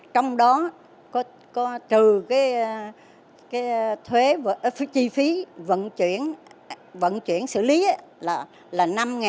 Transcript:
bốn mươi bảy trong đó có trừ cái chi phí vận chuyển xử lý là năm